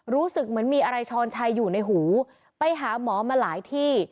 รู้สึกเหมือนมีอะไรช้อนชัยอยู่ในหูไปหาหมอมาหลายที่